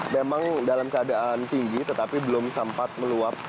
memang dalam keadaan tinggi tetapi belum sempat meluap